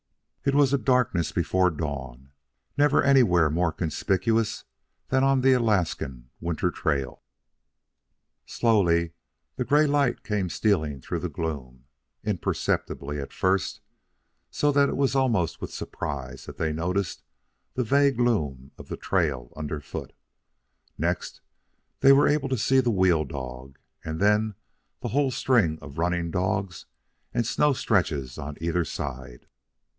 It was the darkness before dawn, never anywhere more conspicuous than on the Alaskan winter trail. Slowly the gray light came stealing through the gloom, imperceptibly at first, so that it was almost with surprise that they noticed the vague loom of the trail underfoot. Next, they were able to see the wheel dog, and then the whole string of running dogs and snow stretches on either side.